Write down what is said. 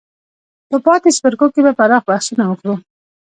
په پاتې څپرکو کې به پراخ بحثونه وکړو.